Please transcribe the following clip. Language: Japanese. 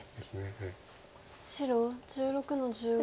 白１６の十五ツギ。